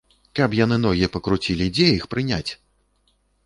Каб яны ногі пакруцілі, дзе іх прыняць?